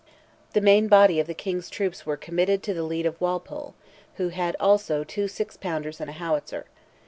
The main body of the King's troops were committed to the lead of Walpole, who had also two six pounders and a howitzer.